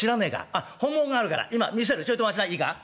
あっ本物があるから今見せるちょいと待ちないいか？